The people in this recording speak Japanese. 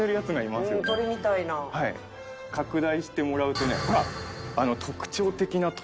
拡大してもらうとねほら！